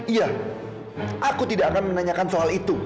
iya aku tidak akan menanyakan soal itu